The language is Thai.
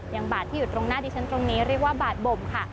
บาทที่อยู่ตรงหน้าดิฉันตรงนี้เรียกว่าบาดบ่มค่ะ